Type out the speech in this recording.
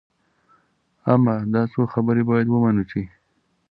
اما دا څو خبرې باید ومنو چې.